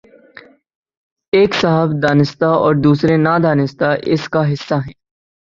ایک صاحب دانستہ اور دوسرے نادانستہ اس کا حصہ ہیں۔